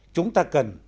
chúng ta cần